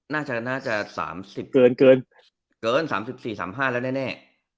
น่าจะ๓๐เกิน๓๔๓๕แล้วแน่